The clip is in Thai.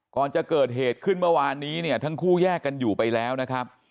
ก่อนจะเกิดเหตุขึ้นเมื่อวานนี้เนี่ยทั้งคู่แยกกันอยู่ไปแล้วนะครับ